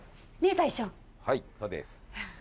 大将はいそうです